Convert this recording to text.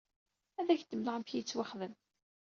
Ad ak-d-mleɣ amek i yettwaxdem.